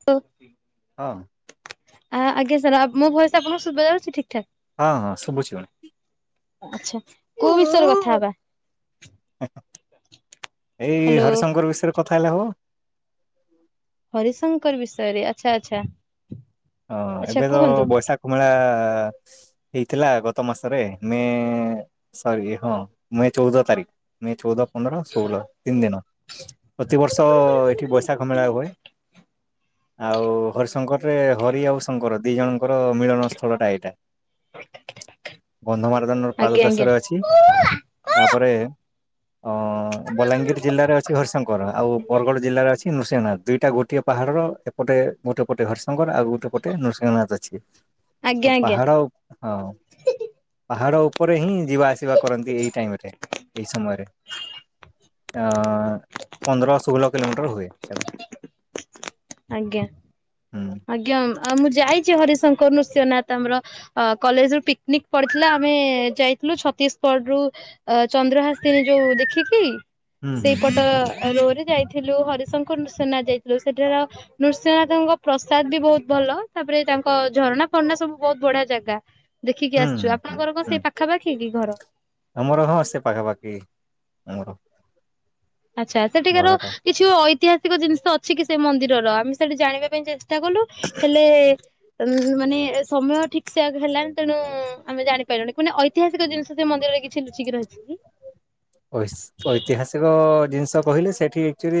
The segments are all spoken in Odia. ତ ହଁ ଆ ଆଜ୍ଞା ସାର୍ ଆ ମୋ ଭଏସ ଆପଣଙ୍କୁ ଶୁଭ ଯାଉଛି ଠିକ। ଠାକ୍? ହଁ ହଁ ଶୁଭୁଛି ଆଚ୍ଛା କୋଉ ବିଷୟରେ କଥା ହବା? ଏଇ ହ୍ୟାଲୋ ହରିଶଙ୍କର ବିଷୟରେ କଥା ହେଲା ହବ ହରିଶଙ୍କର ବିଷୟରେ ଆଛା ଆଛା। ହଁ ଏବେ ତ ବୈଶାଖ ମେଳା ହେଇଥିଲା ଗତ ମାସରେ ମେ ସରି ହଁ ମେ ଚଉଦ ତାରିଖ ମେ ଚଉଦ ପନ୍ଦର ଷୋହଳ ତିନି ଦିନ ପ୍ରତିବର୍ଷ ଏଠି ବୈଶାଖ ମେଳା ହୁଏ ଆଉ ହରିଶଙ୍କର ରେ ହରି ଆଉ ଶଙ୍କର ଦିଇ ଜଣଙ୍କର ମିଳନ ସ୍ଥଳଟା ଏଇଟା। ଗନ୍ଧମାର୍ଦ୍ଦନ ର ଆଜ୍ଞା ଆଜ୍ଞା। ପାଦଦଶରେ ଅଛି, ତାପରେ ଅ ବଲାଙ୍ଗୀର ଜିଲ୍ଲାରେ ଅଛି ହରିଶଙ୍କର ଆଉ ବରଗଡ଼ ଜିଲ୍ଲାରେ ଅଛି କି ନୃସିଂହନାଥ ଦୁଇଟା ଗୋଟିଏ ପାହାଡର ଏ ଗୋଟେ ପଟେ ହରିଶଙ୍କର ଆଉ ଗୋଟେ ପଟେ ନୃସିଂହନାଥ ଅଛି। ଆଜ୍ଞା ଆଜ୍ଞା ପାହାଡ଼ ହଁ ପାହାଡ଼ ଉପ ଉପରେ ହିଁ ଯିବା ଆସିବା କରନ୍ତି ଏଇ ଟାଇମ ରେ ଏଇ ସମୟରେ ପନ୍ଦର ଷୋହଳ କିଲୋମିଟର ହୁଏ ସେଟା। ଆଜ୍ଞା ହୁଁ ଆଜ୍ଞା ଆଜ୍ଞ ଆଉ ମୁଁ ଯାଇଛି ହରିଶଙ୍କରୁ ନୃସିଂହନାଥ ଆମର କଲେଜ ରୁ ପିକନିକ ପଡିଥିଲା ଆମେ ଯାଇଥିଲୁ ଛତିଶଗଡ ରୁ ଚନ୍ଦ୍ରହାଶିଣୀ ଯୋଉ ଦେଖିକି ହୁଁ ହୁଁ ସେଇ ପଟ ହୁଁ ରୋଡରେ ଯାଇଥିଲୁ ହରିଶଙ୍କର ନୃସିଂହନାଥ ଯାଇଥିଲୁ ସେଠାର ନୃସିଂହନାଥଙ୍କ ପ୍ରସାଦ ବି ବହୁତ ଭଲ ତାପରେ ତାଙ୍କ ଝରଣା ଫରଣା ସବୁ ବହୁତ ବଢିଆ ଜାଗା ହୁଁ ଦେଖିକି ଆସିୁଛୁ ହୁଁ ହୁଁ ଆପଣଙ୍କର କଣ ହୁଁ ସେଇ ପାଖାପାଖି କି? ଘର ଆମର ହ ସେ ପାଖାପାଖି ଆମର ଆଚ୍ଛା ସେଠିକାର ଘରଟା କିଛି। ଐତିହାସିକ ଜିନିଷ ଅଛି କି ସେ ମନ୍ଦିର ତ ଆମେ ସେଠି ଜାଣିବା ପାଇଁ ଚେଷ୍ଟା କଲୁ ହେଲେ ଉଁ ହୁଁ, ମାନେ ସମୟ ଠିକ ସେଆକ ହେଲାନି। ତେଣୁ ଆମେ ଜାଣିପାରିଲୁନି ମାନେ ଐତିହାସିକ ଜିନି ଷ ସେ ମନ୍ଦିରରେ କିଛି ଲୁଚିକି ରହିଛି କି? ଅଇସ୍ ଐତିହାସିକ ଜିନିଷ କହିଲେ, ସେଠି ଆକ୍ଚୁଆଲି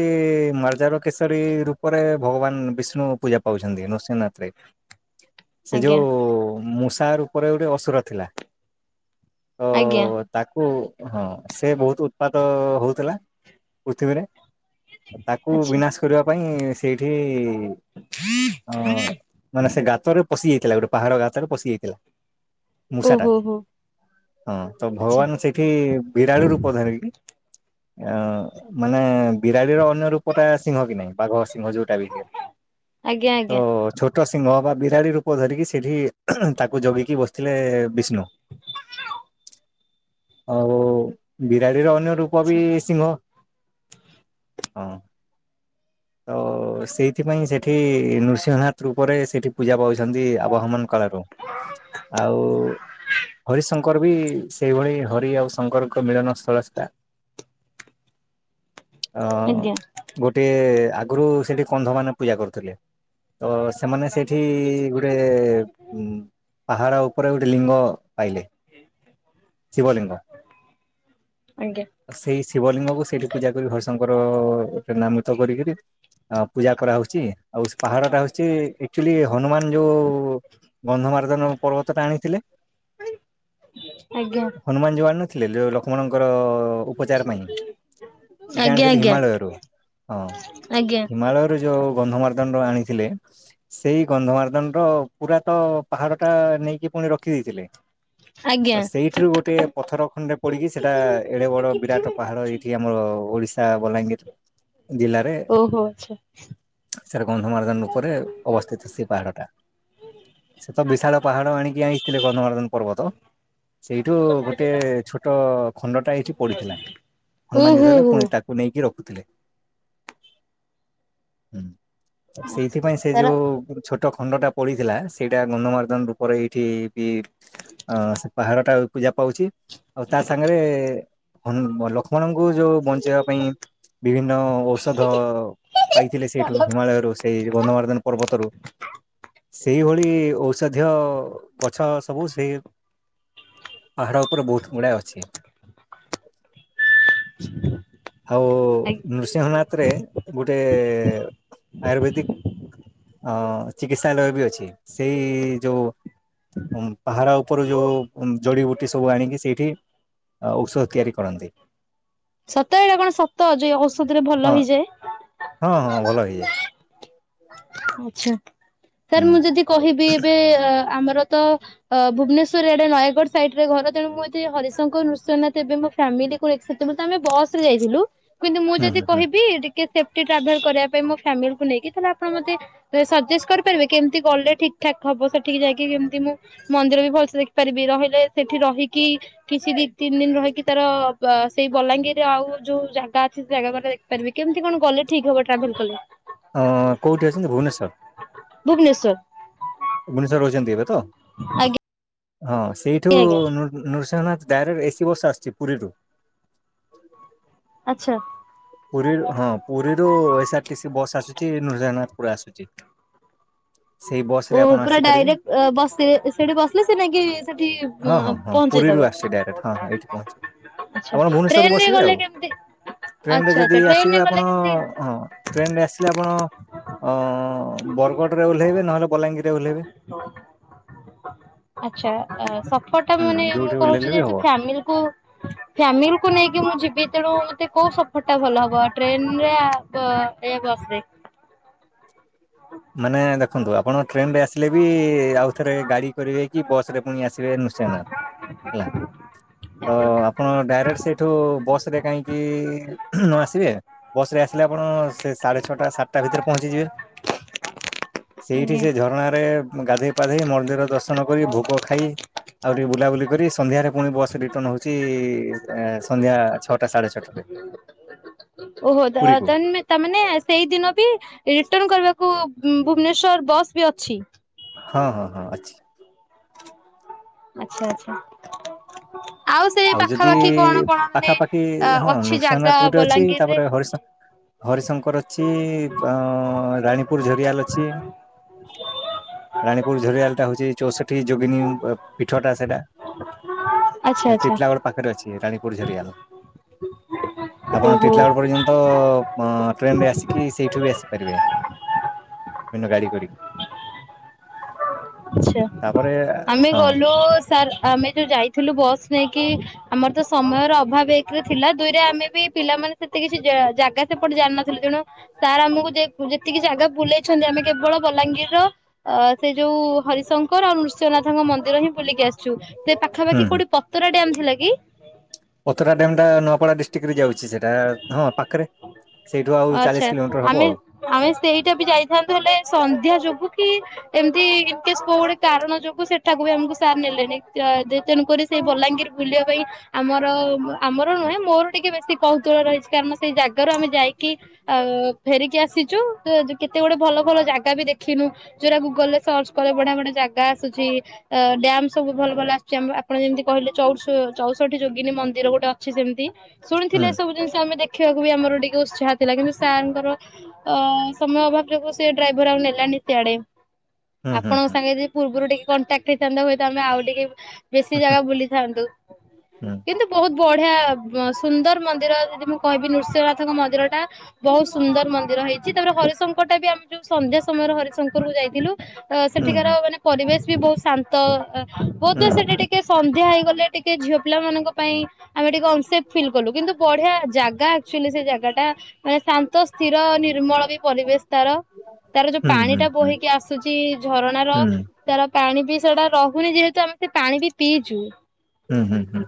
ମାର୍ଜାର କେଶରୀ ରୂପରେ ଭଗବାନ ବିଷ୍ଣୁ ପୂଜା ପାଉଚନ୍ତି, ନୃସିଂହନାଥରେ। ସେ ଯୋଉ ଆଜ୍ଞା ମୁସ୍ ତାର ଉପରେ ଗୋଟିଏ ଅସୁର ଥିଲା। ତ ଆଜ୍ଞା ତାକୁ ହଁ। ସେ ବହୁତ ଉତ୍ପାତ ହଉଥିଲା, ପୃଥିବୀରେ। ତାକୁ ଆଚ୍ଛା ବିନାଶ କରିବା ପାଇଁ ସେଇଠି ଇ ଅ ମାନେ ସେ ଗାତରେ ପ ପଶି ଯାଇଥିଲା ଗୋଟେ ପାହାଡ ଗାତରେ ପଶି ଯାଇଥିଲା। ମୂଷାଟା ଓହୋ ହୋ ହଁ ତ ଆଚ୍ଛା ଭଗବାନ ସେଇଠି ତାରି ରୂପ ଧାରିକି ଅ ମାନେ ବିରାଡିର ଅନ୍ୟ ରୂପ ଟା ସିଂହ କି ନାହିଁ ବାଘ ସିଂହ ଯୋଉଟା ବି ଆଜ୍ଞା ତ ଆଜ୍ଞା ଛ ତ ସିିଂହ ବା ବିରାଡି ରୂପ ଧରିକି ସେଠି ତାକୁ ଜଗିକି ବସିଥିଲେ। ବିଷ୍ଣୁ ଆଉ ବିରାଡ଼ିର ଅ ଅନ୍ୟ ରୂପ ଆଚ୍ଛା ବିି ସିଂହ। ହଁ ତ ସେଇଥିପାଇଁ ସେଠି ନୃସିଂହନାଥ ରୂପରେ ସେଠି ପୂଜା ପାଉଛନ୍ତି। ଆବାହମାନ କାଳରୁ ଆଉ ହରିଶଙ୍କର ବି ସେଇଭଳି ହରି ଆଉ ଶଙ୍କର ମିଳନ ସ୍ଥଳ ସେଇଟା। ଅ ଆଜ୍ଞା ଗୋଟେ ଆଗରୁ ସେଠି କନ୍ଧ ମାନେ ପୂଜା କରୁଥିଲେ। ତ ସେମାନେ ସେଇଠି ଗୁଡ଼େ ପାହାଡ଼ ଉ ପରେ ଗୋଟେ ଲିଙ୍ଗ ପାଇଲେ ଶିବଲିଙ୍ଗ। ଆଜ୍ଞା ସେଇ ଶିବଲିଙ୍ଗକୁ ସେଇଠି ପୂଜା କରି ହରିଶଙ୍କ ଉପର ସେରେ ନାମିତ କରିକରି ଆ ପୂଜା କରାହେଉଛି। ଆଉ ପାହାଡ ଟା ହଉଛି ଆକ୍ଚୁଆଲି ହନୁମାନ ଯୋଉ ଗନ୍ଧମାର୍ଦ୍ଦନ ପର୍ବତ ଟା ଆଣିଥିଲେ। ଆଜ୍ଞା ହନୁମାନ ଯୋଉ ଆଣିନ ଥିଲେ ଯୋଉ ଲକ୍ଷ୍ମଣଙ୍କ ତ ଉପଚାର ପାଇଁ ଏଇଟା ଆଜ୍ଞା ଆଣିଥିଲେ। ଆଜ୍ଞା ହିମାଳୟରୁ ହଁ ଆଜ୍ଞା ହିମାଳୟରୁ ଯୋଉ ଗନ୍ଧମାର୍ଦ୍ଦନ ଆଣ୍ ଥିଲେ ସେଇ ଗନ୍ଧମାର୍ଦ୍ଦନର ପୁର ତ ପାହାଡଟା ନେଇକି ପୁଣି ରଖିଦେଇଥିଲେ। ତ ଆଜ୍ଞା ସେଇଥିରୁ ଗୋଟିଏ ପ ଖଣ୍ଡେ ପଡିକି ସେଇଟା ଏଡେ ବଡ ବିରାଟ ପାହାଡ ଏଇଠି ଆମର ଓଡିଶା ବଲାଙ୍ଗୀର ଜିଲ୍ଲାରେ ଓହୋ ଆଚ୍ଛା। ସେଟା ଗନ୍ଧମାର୍ଦ୍ଦନ ରୂପରେ ଅବସ୍ଥିତ ସେ ପାହାଡଟା। ସେ ତ ବିଶାଳ ପାହାଡ ଆଣିକି ଆଇଥିଲେ ଗନ୍ଧମାର୍ଦ୍ଦନ ପର୍ବତ ସେଇଠୁ ଗୋ ଗୋଟେ ଛୋଟ ଖଣ୍ଡଟା ଏଇଠି ପଡିଥିଲା ହନୁମାନ ଓହୋ ଯେତବଳେ ହୋ ପୁଣି ତାକୁ ନେଇକି ରଖୁ ଥିଲେ ହୁଁ। ଆଚ୍ଛା ସେଇଥିପାଇଁ ସେ ତାର ଯୋଉ ଛୋଟ ଛୋଟ ଖଣ୍ଡଟା ପଡିଥିଲା ସେଇଟା ଗନ୍ଧମାର୍ଦ୍ଦନ ରୂପରେ ଏଇଠି ବି ଅ ସେ ପାହାଡ଼ଟା ପୂଜା ପାଉଛି। ଆଉ ତା ସାଙ୍ଗରେ ହନୁ ବ ଲଖ୍ ଲକ୍ଷ୍ମଣଙ୍କୁ ଯୋଉ ବଞ୍ଚେଇବା ପାଇଁ ବିଭିନ୍ନ ଔଷଧ ପାଇଥିଲେ ସେଇଠୁ ହିମାଳୟରୁ, ସେଇ ଗନ୍ଧମାର୍ଦ୍ଦନ ପର୍ବତରୁ ସେଇଭଳି ଔଷଧୀୟ ଗଛ ସବୁ ସେଇ ପାହାଡ଼ ଉପରେ ବହୁତ ଗୁଡ଼ାଏ ଅଛି। ଆଉ ଆଜ୍ଞା ନୃସିଂହନାଥରେ ଗୋଟେ ଏ ଆୟୁର୍ବେଦିକ ଅଁ ଚିକିତ୍ସାଲୟ ବି ଅଛି। ସେଇ ଯୋଉ ଉଁ ପାହାଡ ଉପରୁ ଯୋଉ ଜଡିିବୁଟ୍ ବୁଟି ସବୁ ଆଣିକି ସେଇଠି, ଔଷଧ ତିଆରି କରନ୍ତି। ସତ ଏଇଟା କଣ ସତ? ଯେ ଔଷଧରେ ଭଲ ହଁ ହେଇଯାଏ। ହଁ ହଁ ଭଲ ହେଇଯାଏ ଆଚ୍ଛା। ହୁଁ ସାର୍ ମୁଁ ଯଦି କହିବି ଏବେ ଆମର ତ ଅ ଭୁବନେଶ୍ୱରରେ ଆଡ଼େ ନୟାଗଡ ସାଇଟ୍ ରେ ଘର। ତେଣୁ ଏଥି ମୁଁ ହରିଶଙ୍କର, ନୃସିଂହନାଥ ଏବେ ମୋ ଫ୍ୟାମିଲିକୁ [unintelligible] ତାପରେ ତ ଆମେ ବସରେ ଯାଇଥିଲୁ କିନ୍ତୁ ମୁଁ ହୁଁ ଯଦି ହୁଁ ହୁଁ କହିବି ଟିକେ ସେପ୍ଟି ଟ୍ରାଭେଲ କରିବା ପାଇଁ ମୋ ଫ୍ୟାମିଲିକୁ ନେଇକି ତାହାଲେ ଆପଣ ମତେ ସଜେଷ୍ଟ କରିପାରିବେ, କେମତି ଗଲେ ଠିକ ଠାକ ହବ? ସେଠିକି ଯାଇକି କେମତି ମୁଁ ମନ୍ଦିର ବି ଭଲସେ ଦେଖିପାରିବି, ରହିଲେ ସେଠି ରହିକି କିଛି ଦି ତିନି ଦିନ ରହିକି ତାର ବା ସେଇ ବଲାଙ୍ଗୀରରେ ଆଉ ଯୋଉ ଜାଗା ଅଛି ସେ ଜାଗା ଦେଖିପାରିବି କେମିତି କଣ ଗଲେ ଠିକ ହବ ଟ୍ରାଭେଲ କଲେ। ଅ କୋଉଠି ଅଛନ୍ତି? ଭୁବନେଶ୍ୱର। ଭୁବନେଶ୍ୱର। ଭୁବନେଶ୍ୱରରେ ରହୁଛନ୍ତି ଏବେ ତ। ଆଜ୍ଞା। ହଁ ସେଇଠୁ ଆଜ୍ଞା ନୃ ନୃସିଂହନାଥ ଡାଇରେକ୍ଟ ଏସିି ବସ ଆସୁଛି ପୁରୀରୁ। ଆଛା। ପୁରୀରୁ ହଁ ପୁରୀରୁ ଏସ୍ଆରଟିସି ବସ୍ ଆସୁଛି ନୃସିଂହନାଥ ପୁରା ଆସୁଛି। ସେଇ ବସ ରେ ଓ ଆପଣ ପୁରା ଆସିପାରିବେ ଡାଇରେକ୍ଟ ବସି ସେଠି ବସିଲେ ସେ ନେଇକି ସେଠି ହଁ ହଁ ହଁ ପୁରୀରୁ ପହଞ୍ଚେଇଦବ। ଆସୁଛି ଡାଇରେକ୍ଟ ହଁ ହଁ ଏଇଠି ପହଞ୍ଚିବ ଆଛା ଆପଣ ଭୁବନେଶ୍ୱରରୁ ଟ୍ରେନରେ ବସିବେ ଆଉ ଗଲେ କେମତି ଟ୍ରେନରେ ଯଦି ଆସିବେ ଆପଣ ହଁ ଟ୍ରେନରେ ଆସିଲେ ଆପଣ ବରଗଡ଼ରେ ଓହ୍ଲେଇବେ ନହେଲେ ବଲାଙ୍ଗୀରରେ ଓହ୍ଲେଇବେ ଆଛା ସଫ ହୁଁ ମାନେ ମୁଁ ଯୋଉଠି କହୁଛି ଓହ୍ଲେଇଲେ ବି ଯଦି ହବ। ଫାମିଲି କୁ ଫ୍ୟାମିଲି କୁ ନେଇକି ମୁଁ ଯିବି ତେଣୁ ଟେ କୋଉ ସଫର ଟା ଭଲ ହବ ଟ୍ରେନରେ ୟା ବସରେ। ମାନେ ଦେଖନ୍ତୁ ଆପଣ ଟ୍ରେନ୍ ରେ ଆସିଲେ ବି ଆଉଥରେ ଗାଡ଼ି କରିବେ କି ବସ୍ ପୁଣି ଆସିବେ ନୃଶିଙ୍ଗନାଥ ହେଲା ତ ଆପଣ ଡାଇରେକ୍ଟ ସେଇଠୁ ବସ୍ ରେ କାହିଁକି। ଆସିବେ ବସ ରେ ଆସିଲେ ଆପଣ ସାଢେ ଛଅଟ ସାତଟା ଭିତରେ ପହଞ୍ଚିଯିବେ। ସେଇଠି ଆଜ୍ଞା ଆଜ୍ଞା। ସେ ଝରଣାରେ ଗାଧେଇ ପାଧେଇ ମନ୍ଦିର ଦର୍ଶନ କରି ଭୋଗ ଖାଇ ଆଉ ବୁଲା ବୁଲି କରିବେ ସନ୍ଧ୍ୟାରେ ପୁଣି ବସ୍ ରିଟରନ୍ ହେଉଛି ସନ୍ଧ୍ୟା ଛଅଟା ସାଢେ ଛଅଟା ରେ। ଓହୋ ତାନେ ତାମାନେେ ସେଇଦିନ ବି ରିଟରନ୍ କରିବାକୁ ଭୁବନେଶ୍ଵର ବସ୍ ବି ଅଛି ହଁ ହଁ ହଁ ଅଛି ଆଛା ଆଛା ଆଉ ଯଦି ପାଖାପାଖି ହଁ ଅଛି ଜାଗା ନୃସିଂହନାଥ ଗୋଟେ ଅଛି ବଲାଙ୍ଗୀରରେ? ତାପରେ ହରିଶ ହରିଶଙ୍କର ଅଛି ରାଣୀପୁରଝରିଆଲ ଅଛି। ରାଣୀପୁରଝରିଆଲ ଟା ହଉଛି ଚଉଷଠି ଯୋଗିନୀ ପିଠ ଟା ସେଇଟା [inaudible] ହେଲେ ଟିଟଲାଗଡ଼ ପାଖରେ ଅଛି ରାଣୀପୁର ଝରିଗଲା ଆପଣ ଓହୋ ଟିଟଲାଗଡ଼ ପର୍ଯ୍ୟନ୍ତ ଟ୍ରେନ୍ ଆସିକି ସେଇଠୁ ବି ଆସି ପାରିବେ [inaudible] ଗାାଡ଼ି କରିକି ଆଛା ତାପରେ ଆମେ ହଁ ଗଲୁ ସାର୍ ଆମେ ଯୋଉ ଯାଇଥିଲୁ ବସ୍ ନେଇକି ଆମର ତ ସମୟର ଅଭାବ ଏକରେ ଥିଲା ଦୁଇରେ ଆମେ ବି ପିଲାମାନେ ସେତେ କିଛି ଜାଗା ସେପଟେ ଜାଣିିନଥିଲ ତେଣୁ ସାର୍ ଆମକୁ ଯେତିକି ଜାଗା ବୁଲେଇଛନ୍ତି ଆମେ କେବଳ ବଲାଙ୍ଗୀର ର ଅ ସେ ଯୋଉ ହରିଶଙ୍କର ଆଉ ନୃସିିଂହନାଥଙ୍କ ମନ୍ଦିର ହିଁ ବୁଲିକି ଆସିଛୁ ସେ ପାଖାପାଖି ହୁଁ କୋଉଠି ପତରା ଡିମ୍ ଥିଲା କି ପତରା ଡ୍ୟାମ ଟା ନୂଆପଡା ଡିଷ୍ଟ୍ରିକ୍ଟ ରେ ଯାଉଛି ସେଟା ହଁ ପାଖରେ ସେଇଠୁ ଆଉ ଚାଳିଶ ଆଛା କିଲୋମିଟର ହବ ଆମେ ଆଉ ଆମେ ସେଇଟା ବି ଯାଇଥାନ୍ତୁ ହେଲେ ସନ୍ଧ୍ୟା ଯୋଗୁ କି। [inaudible] ଇନ୍ କେସ୍ କୋଉ ଗୋଟେ କାରଣ ଯୋଗୁ ସେଠ ସେଠାକୁ ବି ଆମକୁ ସାର୍ ନେଲେନି ତେଣୁକରି ସେଇ ବଲାଙ୍ଗୀର ବୁଲିବା ପାଇଁ ଆମର ଆମର ନୁହେଁ ମୋର ଟିକେ ବେଶୀ କୌତୁଳ ରହିଛି କାରଣ ସେଇ ଜାଗାରୁ ଆମେ ଯାଇକି। ଆଉ ଫେରିକି ଆସି [inaudible] କେତେ ଗୁଡ଼େ ଭଲ ଭଲ ଜାଗା ବି ଦେଖିନୁ ଯୋଉ ରା ଗୁଗଲରେ ସର୍ଚ୍ଚ କଲେ ବଢିଆ ବଢିଆ ଜାଗା ଆସୁଛି ଡ୍ୟାମ ସବୁ ଭଲ ଭଲ ଆସୁଛି ଆମର ଆପଣ ଯେମିତି କହିଲେ ଚ ଚଉଷଠି ଯୋଗିନୀ ମନ୍ଦିର ଗୋଟେ ଅଛି ସେମିତି ହୁଁ ଶୁଣିଥିଲେ ସବୁ ଜିନିଷ ଆମେ ଦେଖ ଦେଖିବାକୁ ବି ଆମର ଟିକେ ଉତ୍ସାହ ଥିଲା କିନ୍ତୁ ସାରଙ୍କର ଅ ସମୟ ଅଭାବ ଯୋଗୁ ସେ ଡ୍ରାଇଭର ଆଉ ନେଲାନି ସିଆଡେ ହୁଁ ଆପଣଙ୍କ ହୁଁ ସାଙ୍ଗେ ଯଦି ପୂର୍ବରୁ ଟିକେ କଣ୍ଟାକ୍ଟ ହୋଇଥାନ୍ତା ହୁଏତ ଆମେ ଆଉ ଟିକେ ବେଶୀ ଜାଗା ବୁଲିଥାନ୍ତୁ ହୁଁ କିନ୍ତୁ ବହୁତ ବଢିଆ ସୁନ୍ଦର ମନ୍ଦିର ଯଦି ମୁଁ କହିବି ନୃସିିଂହନାଥଙ୍କ ମନ୍ଦିର ଟା ବହୁତ ସୁନ୍ଦର ମନ୍ଦିର ହେଇଛି। ତାପରେ ହରିଶଙ୍କର ଟା ବି ଆମେ ଯୋଉ ସନ୍ଧ୍ୟା ସମୟରେ ହରିଶଙ୍କର କୁ ଯାଇଥିଲୁ ତ ହୁଁ ସେଠିକାର ହୁଁ ମାନେ ପରିବେଶ ବି ବହୁତ ଶାନ୍ତ ତ ବୋଧେ ସେଠି ଟିକେ ସନ୍ଧ୍ୟା ହେଇଗଲେ ଟିକେ ଟିକେ ଝିଅ ପିଲା ମାନଙ୍କ ପାଇଁ ଆମେ ଟିକେ ଅନସେଫ ଫିଲ୍ କଲୁ କିନ୍ତୁ ବଢିଆ ଜାଗା ଆକ୍ଚୁଆଲି ସେ ଜାଗା ଟା ମାନେ ଶାନ୍ତ ସ୍ଥିର ନିର୍ମଳ ବି ପରିବେଶ ତାର ତାର ଯୋଉ ହୁଁ ପାଣି ହୁଁ ଟା ହୁଁ ବୋହିକି ଆସ ଆସୁଛି ଝରଣାର ତାର ପାଣି ବିି ସେଟା ରହୁ ପୁଣିି ଯେହେତୁ ଆମେ ସେ ପାଣି ବି ପିଇଛୁ ହୁଁ ହୁଁ ହୁଁ।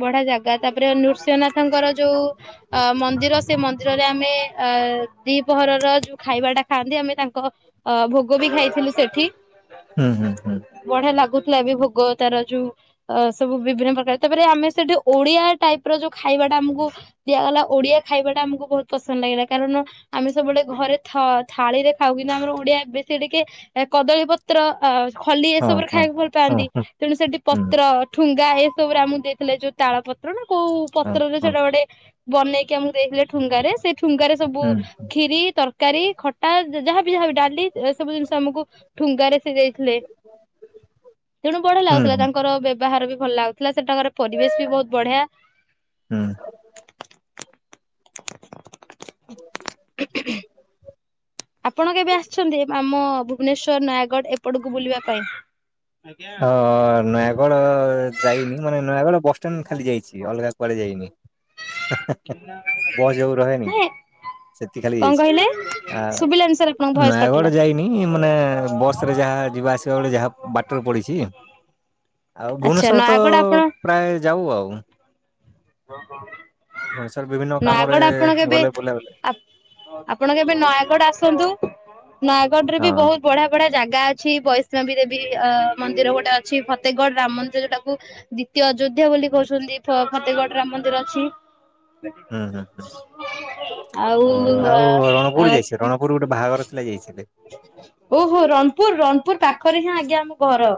ବଢ଼ିଆ ଜାଗା ଗା ତାପରେ ନୃସିିଂହନାଥଙ୍କର ଯୋଉ ଅ ମନ୍ଦିର ସେ ମନ୍ଦିର ମନ୍ଦିରରେ ଆମେ ଅ ଦ୍ଵି ପହରର ଯୋଉ ଖାଇବା ଟା ଖାଆନ୍ତି ଆମେ ତାଙ୍କ ଅ ଭୋଗ ବି ଖାଇଥିଲୁ ସେଠି ହୁଁ ହୁଁ ବଢିଆ ଲାଗୁ ଥିଲା ବି ଭୋଗ ତାର ଯୋଉ ଅ ସବୁ ବିଭିନ୍ନ ପ୍ରକାର ତାପରେ ଆମେ ସେଠି ଓଡିଆ ଟାଇପ ର ଯୋଉ ଖାଇବାଟା ଆମକୁ ଦିଆଗଲା ଓଡିଆ ଖାଇବାଟା ଆମକୁ ବହୁତ ପସନ୍ଦ ଲାଗିଲା କାରଣ ଆମେ ସବୁବେଳେ ଘରେ ଥାଳି ରେ ଖାଉ କିନ୍ତୁ ଆମର ଓଡିଆ ବେଶୀ ଟିକେ କଦଳୀ ପତ୍ର ଆ ଖଲି ହଁ ଏସବୁରେ ହଁ ଖାଇବାକୁ ଭଲ ହଁ ପାଆନ୍ତି ହଁ ତେଣୁ ସେଠି ହୁଁ ପତ୍ର ଠୁଙ୍ଗ ଙ୍ଗା ଏସବୁରେ ଆମକୁ ଦେଇଥିଲେ ଯୋଉ ତାଳ ପତ୍ର ନା କୋଉ ହଁ ପତ୍ରରେ ହଁ ସେଟା ଗୋଟେ ବନେଇକି ଆମକୁ ଦେଇଥିଲେ ଠୁଙ୍ଗାରେ ସେ ଠୁଙ୍ଗାରେ ସବୁ ହୁଁ ଖିରି ତରକାରୀ ତରକାରୀ ଖଟା ଯାହାବି ଯାହାବି ଡାଲି ଏ ସବୁ ଜିନିଷ ଆମକୁ ଠୁଙ୍ଗାରେ ସେ ଦେଇଥିଲେ ତେଣୁ ବଢ଼ିଆ ହୁଁ ଲାଗୁଥିଲା ହୁଁ ତାଙ୍କର ବ୍ୟ ବ୍ୟବହାର ବି ଭଲ ଲାଗୁଥିଲା ସେଟାକାର ପରିବେଶ ବି ବହୁତ ବଢିଆ। ହୁଁ। ଆପଣ କେବେ ଆସିଛନ୍ତି ଏ ଆମ ଭୁବନେଶ୍ଵର ନୟାଗଡ ଏପଟକୁ ବୁଲିବା ପାଇଁ? ହ ନୟାଗଡ ଯାଇନି ମାନେ ନୟାଗଡ଼ ବସ ଷ୍ଟାଣ୍ଡ ଖାଲି ଯାଇଚି ଅଲଗା କୁଆଡେ ଯାଇନି। ବସ୍ ଯଉ ରହେନି କି ନାଇଁ ସେତିକି ଖାଲି କଣ ଯାଇଚି କହିଲେ ଆ ଶୁଭିଲାନି ସାର୍ ଆପଣଙ୍କ ଭଏସ ନୟାଗଡ କଟିଲା। ଯାଇନି ମାନେ ବସ ରେ ଯାହା ଯିବା ଆସିବା ବେଳେ ଯାହା ବାଟ ଟ ପଡିଛି ଆଉ ଆଚ୍ଛା ଭୁବନେଶ୍ୱର ତ ନୟାଗଡ ଆପଣ ପ୍ରାୟ ଯାଉ ଆଉ। ଭୁବନେଶ୍ୱର ବିଭିନ୍ନ କାମରେ ନୟାଗଡ ଆପଣ କେବେ ଗଲେ ବୁଲାବୁଲି ଆପଣ କେବେ ନୟାଗଡ ଆସନ୍ତୁ ନୟାଗଡ଼ ରେ ହଁ ବି ବହୁତ ବଢିଆ ବଢିଆ ଜାଗା ଜାଗା ଅଛି ବୈଷ୍ଣବୀ ଦେବୀ ଅ ମନ୍ଦିର ଗୋଟେ ଅଛି ଫତେଗଡ ରାମ ମନ୍ଦିର ଯୋଉଟାକୁ ଦ୍ଵିତୀୟ ଅଯୋଧ୍ୟା ବୋଲି କହୁଛନ୍ତି ଫତେଗଡ ରାମ ମନ୍ଦିର ଅଛି। [inaudible] ହୁଁ ହୁଁ ହୁଁ। ଆଉ ଆଉ ରଣପୁର ଯାଇଛି ରଣପୁର ଗୋଟେ ବାହାଘର ଥିଲା ଯାଇଥିଲି ଓହୋ ରଣପୁର ରଣପୁର ପାଖ ପାଖରେ ହିଁ ଆଜ୍ଞା ଆମ ଘର।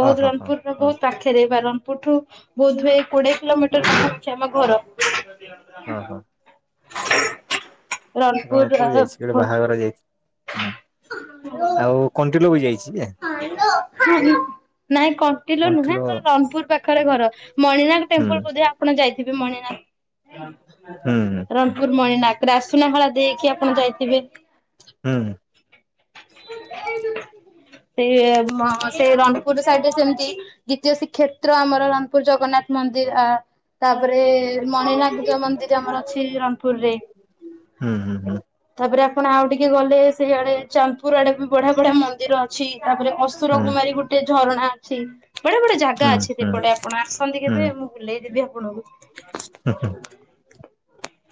ବହୁତ ଓହୋ ହୋ ରଣପୁର ର ହଁ ବହୁତ ପାଖରେ ଇବା ରଣପୁରଠୁ ବୋଧହୁଏ କୋଡିଏ କିଲୋମିଟ ର ହେଉଛି ଆମ ଘର। ହଁ ହଁ। ରଣପୁର ଯାଇଛି ଗୋଟେ ବାହାଘର ଯାଇଛିଁ ଆଉ କଣ୍ଟିଲୋ ବି ଯାଇଛି। ଯେ ନାଇଁ କଣ୍ଟିଲ ନୁହେଁ କଣ୍ଟିଲୋ ଆମର ରଣପୁର ପାଖରେ ଘର, ମଣିନାଗ ହୁଁ ଟେମ୍ପଲ ବୋଧେ ଆପଣ ଯାଇ ଥିବେ ହୁଁ ମଣିନାଗ ରଣପୁର ମଣିନାଗ ରାସୁନା ଭଳା ଦେଇକି ଆପଣ ଯାଇଥିବେ। ହୁଁ [inaudible] ସେଇ ସେ ରଣପୁର ସାଇଡରେ ସେମିତି ଦ୍ଵିତୀୟ ଶ୍ରୀକ୍ଷେତ୍ର ଆମର ରଣପୁର ଜଗନ୍ନାଥ ମନ୍ଦିର ତାପରେ ମଣିନାଗ ମନ୍ଦିର ଆମର ଅଛି ରଣପୁରରେ। ହୁଁ ହୁଁ ହୁଁ ତାପରେ ଆପଣ ଆଉ ଟିକେ ଗଲେ ସେଇଆଡେ ଚାନ୍ଦପୁର ଆଡେ ବି ବଢିଆ ବଢିଆ ମନ୍ଦିର ଅଛି। ତାପରେ ଅସୁର କୁମାରୀ ଗୋଟେ ଝରଣା ଅଛି। ବଢିଆ ବଢ଼ିଆ ଜାଗା ହୁଁ ଅଛି ହୁଁ ସେପଟେ ଆପଣ ଆସନ୍ତି ହୁଁ ହଁ କେବେ ମୁଁ ବୁଲେଇ ଦେବି ଆପଣଙ୍କୁ।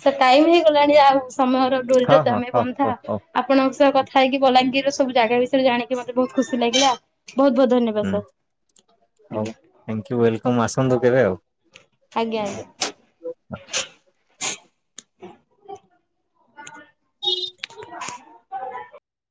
ସେ ଟାଇମ ହେଇଗଲାଣି ଆଉ ସମୟର ସହିତ ହଁ ଆମେ ହଉ ବନ୍ଧା ହଉ ହଉ ଆପଣଙ୍କ ସହ କଥା କଥା ହେଇକି ବଲାଙ୍ଗୀର ସବୁ ଜାଗା ବିଷୟରେ ଜାଣିକି ମତେ ବହୁତ ଖୁସି ଲାଗିଲା। ବହୁତ ବହୁତ ଧନ୍ୟବାଦ ସାର୍ ଆଜ୍ଞା ଥାଙ୍କୁ ୱେଲକମ୍ ଆସ। ପନ୍ଦ କେବେ ଆଉ। ଆଜ୍ଞା ଆଜ୍ଞା ହ [inaudible]